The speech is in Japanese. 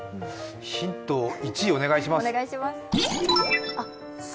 ヒント１をお願いします。